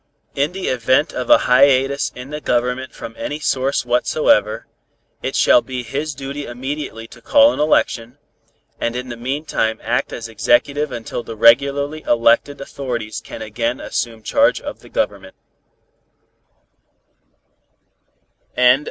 In the event of a hiatus in the Government from any source whatsoever, it shall be his duty immediately to call an election, and in the meantime act as Executive until the regularly elected authorities can again assume charge of the Government.